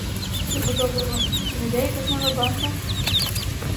Чого доброго — чи не йде якась нова банда?